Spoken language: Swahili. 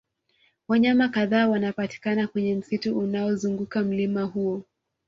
wanyama kadhaa wanapatikana kwenye msitu unaozunguka mlima huo